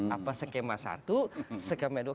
apa skema satu skema dua